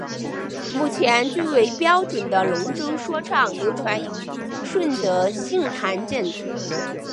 目前最为标准的龙舟说唱流传于顺德杏坛镇。